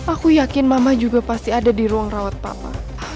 aku yakin mama juga pasti ada di ruang rawat papa